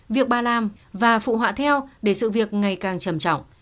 việc bà làm và phụ họa theo để sự việc ngày càng trầm trọng